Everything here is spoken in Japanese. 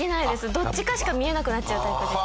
どっちかしか見えなくなっちゃうタイプです。